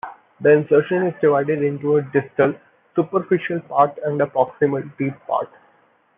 The insertion is divided into a distal, superficial part and a proximal, deep part.